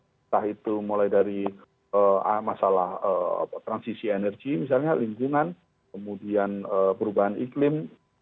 entah itu mulai dari masalah transisi energi misalnya lingkungan kemudian perubahan iklim